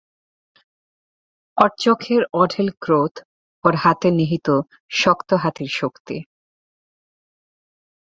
ওর চোখের অঢেল ক্রোধ, ওর হাতে নিহিত শত হাতির শক্তি।